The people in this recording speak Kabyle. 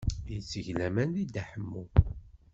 Yetteg laman deg Dda Ḥemmu.